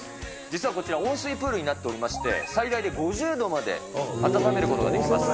実はこちら、温水プールになっておりまして、最大で５０度まで温めることができます。